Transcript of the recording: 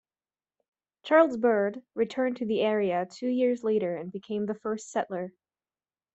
Charles Bird returned to the area two years later and became the first settler.